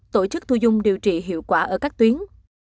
tổ chức thu dung điều trị hiệu quả ở các tuyến